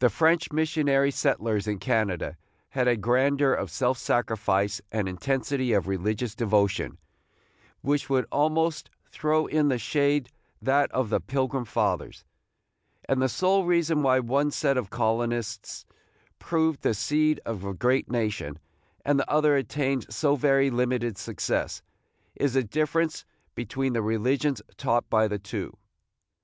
The French missionary settlers in Canada had a grandeur of self sacrifice, and intensity of religious devotion, which would almost throw in the shade that of the Pilgrim Fathers; and the sole reason why one set of colonists proved the seed of a great nation, and the other attained so very limited success, is the difference between the religions taught by the two.